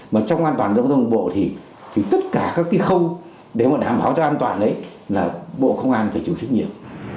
mà trong an toàn giao thông đường bộ thì tất cả các cái không để mà đảm bảo cho an toàn đấy là bộ không an phải chủ trách nhiệm